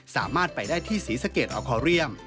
สามารถไปได้ที่ศรีสะเกดออคอเรียม